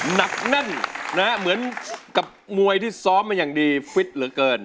หนักแน่นนะฮะเหมือนกับมวยที่ซ้อมมาอย่างดีฟิตเหลือเกิน